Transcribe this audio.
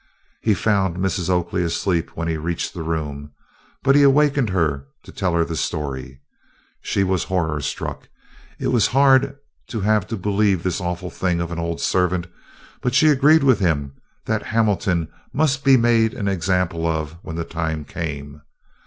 He found Mrs. Oakley asleep when he reached the room, but he awakened her to tell her the story. She was horror struck. It was hard to have to believe this awful thing of an old servant, but she agreed with him that Hamilton must be made an example of when the time came.